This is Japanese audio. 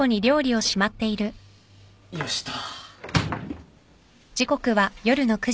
よしと。